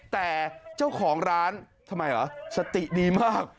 แต่เจ้าของร้านทำไมเหรอสติดีมาก